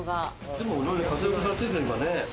でも活躍されてるじゃん、今ね。